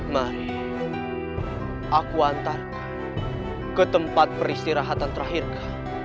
mari aku antarku ke tempat peristirahatan terakhir kau